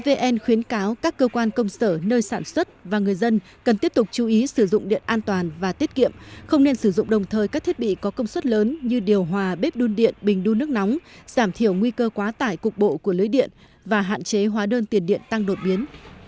vn khuyến cáo các cơ quan công sở nơi sản xuất và người dân cần tiếp tục chú ý sử dụng điện an toàn và tiết kiệm không nên sử dụng đồng thời các thiết bị có công suất lớn như điều hòa bếp đun điện bình đun nước nóng giảm thiểu nguy cơ quá tải cục bộ của lưới điện và hạn chế hóa đơn tiền điện tăng đột biến